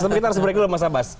tapi kita harus break dulu mas abbas